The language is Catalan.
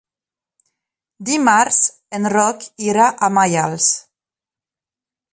Dimarts en Roc irà a Maials.